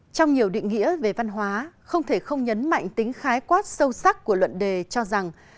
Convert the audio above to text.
trong nhiều định nghĩa về văn hóa không thể không nhấn mạnh tính khái quát sâu sắc của luận đề cho rằng